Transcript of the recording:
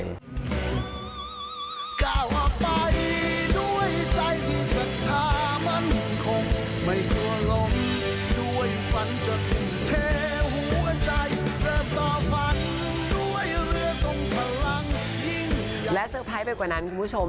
และสเซอร์ไพรส์ไปกว่านั้นคุณผู้ชม